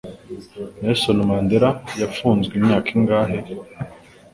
Nelson Mandela yafunzwe imyaka ingahe?